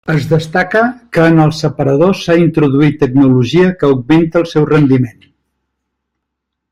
Es destaca que en el separador s'ha introduït tecnologia que augmenta el seu rendiment.